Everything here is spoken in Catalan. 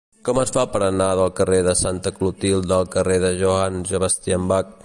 Com es fa per anar del carrer de Santa Clotilde al carrer de Johann Sebastian Bach?